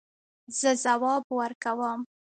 زه ځواب ورکوم